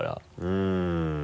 うん。